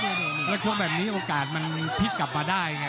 แล้วชกแบบนี้โอกาสมันพลิกกลับมาได้ไง